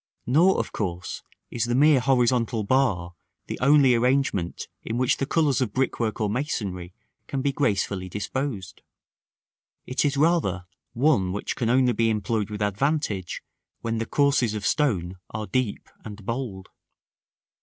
Nor, of course, is the mere horizontal bar the only arrangement in which the colors of brickwork or masonry can be gracefully disposed. It is rather one which can only be employed with advantage when the courses of stone are deep and bold.